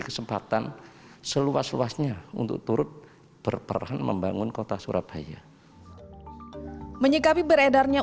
kesempatan seluas luasnya untuk turut berperan membangun kota surabaya menyikapi beredarnya